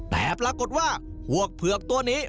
แต่ปรากฏว่าพวกเผือกตัวนี้